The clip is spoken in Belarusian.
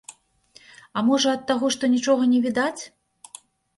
А можа, ад таго, што нічога не відаць?